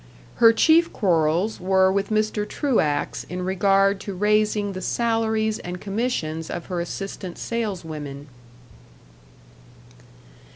Her chief quarrels were with Mr. Truax in regard to raising the salaries and commissions of her assistant saleswomen.